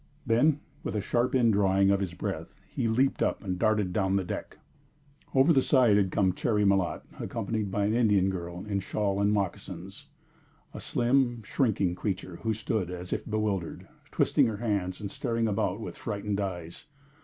Then, with a sharp indrawing of his breath, he leaped up and darted down the deck. Over the side had come Cherry Malotte, accompanied by an Indian girl in shawl and moccasins a slim, shrinking creature who stood as if bewildered, twisting her hands and staring about with frightened eyes.